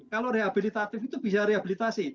kalau rehabilitatif itu bisa rehabilitasi